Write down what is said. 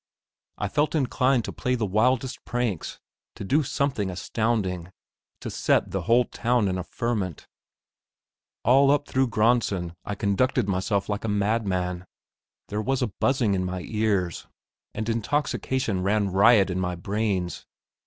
I felt inclined to play the wildest pranks, to do something astounding, to set the whole town in a ferment. All up through Graendsen I conducted myself like a madman. There was a buzzing in my ears, and intoxication ran riot in my brains.